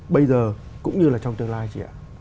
bây giờ cũng như là trong tương lai chị ạ